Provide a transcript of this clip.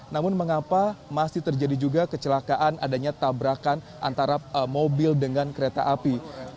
namun mengapa masih terjadi juga kecelakaan adanya tabrakan antara mobil dengan kereta api